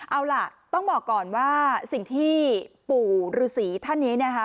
เอาล่ะต้องบอกก่อนว่าสิ่งที่ปู่ฤษีท่านนี้นะคะ